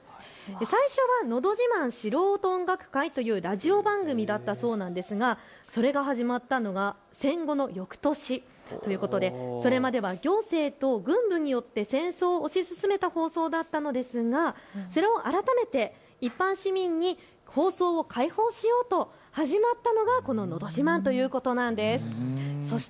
最初はのど自慢素人音楽会というラジオ番組だったそうなんですがそれが始まったのが戦後のよくとしということでそれまでは行政と軍部によって戦争を推し進めた放送だったんですがそれを改めて一般市民に放送を解放しようと始まったのがこののど自慢ということなんです。